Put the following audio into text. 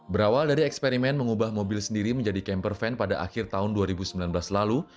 berawal dari eksperimen mengubah mobil sendiri menjadi camper van pada akhir tahun dua ribu sembilan belas lalu